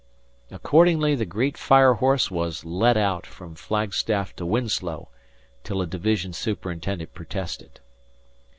Accordingly, the great fire horse was "let 'ut" from Flagstaff to Winslow, till a division superintendent protested.